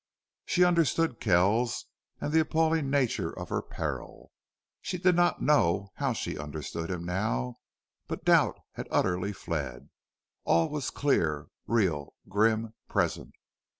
She understood Kells and the appalling nature of her peril. She did not know how she understood him now, but doubt had utterly fled. All was clear, real, grim, present.